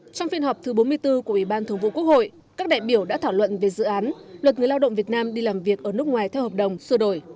trong phiên họp thứ bốn mươi bốn của ủy ban thường vụ quốc hội các đại biểu đã thảo luận về dự án luật người lao động việt nam đi làm việc ở nước ngoài theo hợp đồng sửa đổi